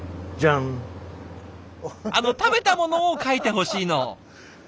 あの食べたものを描いてほしいの。